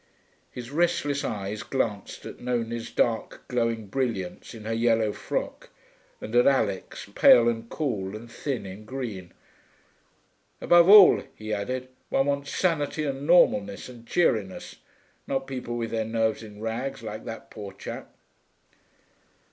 His restless eyes glanced at Nonie's dark, glowing brilliance in her yellow frock, and at Alix, pale and cool and thin in green. 'Above all,' he added, 'one wants sanity and normalness and cheeriness, not people with their nerves in rags, like that poor chap.'